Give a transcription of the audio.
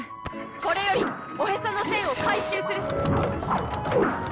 これよりおへその栓を回収する！